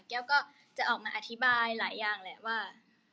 ก็จะออกมาอธิบายหลายอย่างแหละว่า